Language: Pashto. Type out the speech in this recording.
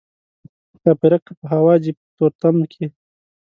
ښاپیرک که په هوا ځي په تورتم کې.